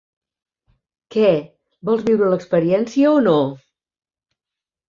Què, vols viure l'experiència o no?